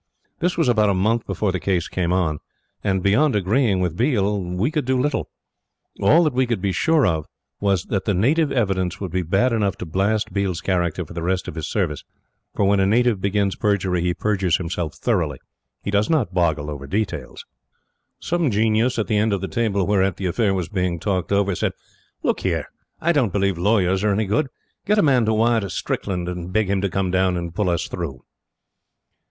This was about a month before the case came on; and beyond agreeing with Biel, we could do little. All that we could be sure of was that the native evidence would be bad enough to blast Biel's character for the rest of his service; for when a native begins perjury he perjures himself thoroughly. He does not boggle over details. Some genius at the end of the table whereat the affair was being talked over, said: "Look here! I don't believe lawyers are any good. Get a man to wire to Strickland, and beg him to come down and pull us through."